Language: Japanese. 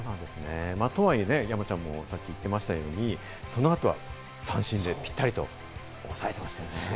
とはいえ山ちゃんもさっき言ってましたように、その後は三振でピタリと抑えていましたね。